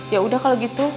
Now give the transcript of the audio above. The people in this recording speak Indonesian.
yaudah kalau gitu